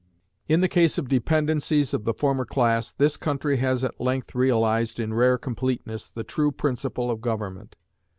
In the case of dependencies of the former class, this country has at length realized, in rare completeness, the true principle of government.